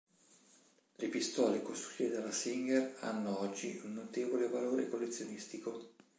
Le pistole costruite dalla singer hanno oggi un notevole valore collezionistico.